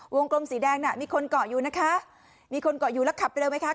กลมสีแดงน่ะมีคนเกาะอยู่นะคะมีคนเกาะอยู่แล้วขับเร็วไหมคะ